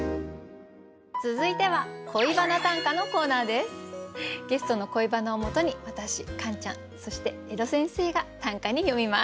続いてはゲストの恋バナをもとに私カンちゃんそして江戸先生が短歌に詠みます。